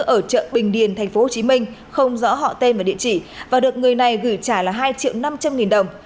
ở chợ bình điền tp hcm không rõ họ tên ở địa chỉ và được người này gửi trả là hai triệu năm trăm linh nghìn đồng